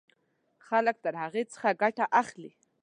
خلک له هغې څخه ګټه اخلي.